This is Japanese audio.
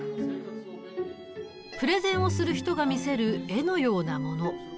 プレゼンをする人が見せる絵のようなもの。